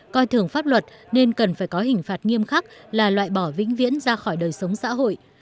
coi thường pháp luật nên cần phải có hình phạt nghiêm khắc là loại bỏ vĩnh viễn ra khỏi đời sống xã hội